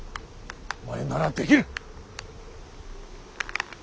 お前ならできる。